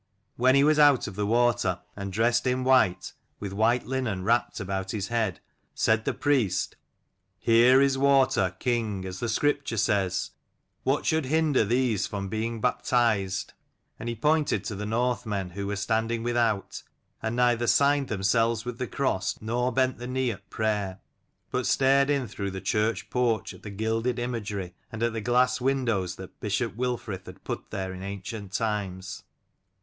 When he was out of the water, and dressed in white, with white linen wrapped about his head, said the priest, " Here is water, king, as the Scripture says: what should hinder these from being baptized?" and he pointed to the Northmen who were standing without, and neither signed themselves with the cross nor bent the knee at prayer, but stared in through the church porch at the gilded imagery, and at the glass windows that Bishop Wilfrith had put there in ancient times.